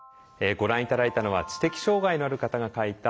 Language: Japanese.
ご覧頂いたのは知的障害のある方が書いた作品です。